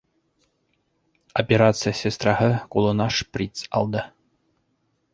Операция сестраһы ҡулына шприц алды